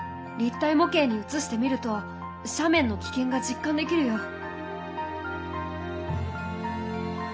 立体模型にうつしてみると斜面の危険が実感できるよ。